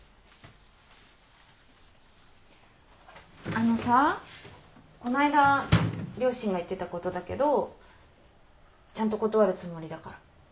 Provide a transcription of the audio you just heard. あのさこないだ両親が言ってたことだけどちゃんと断るつもりだから。